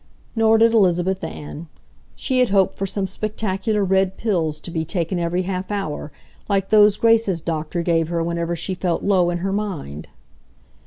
Nor did Elizabeth Ann. She had hoped for some spectacular red pills to be taken every half hour, like those Grace's doctor gave her whenever she felt low in her mind.